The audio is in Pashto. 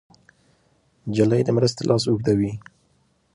نجلۍ د مرستې لاس اوږدوي.